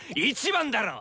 １番だろ！